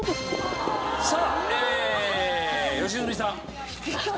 さあ良純さん。